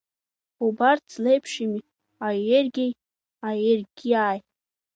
Убарҭ злеиԥшыми аергьгьеи аергьааи?